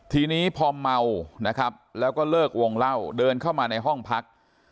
ทีนี้พอเมานะครับแล้วก็เลิกวงเล่าเดินเข้ามาในห้องพัก